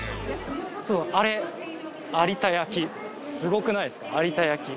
あれすごくないですか？